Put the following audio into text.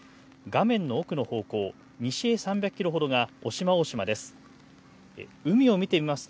画面の奥の方向、西へ３００キロほどが渡島大島です。